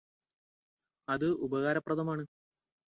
അത് ഉപകാരപ്രദമാണ്